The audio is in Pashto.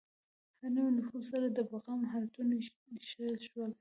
هر نوي نفوذ سره د بقا مهارتونه ښه شول.